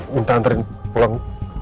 minta anterin pulang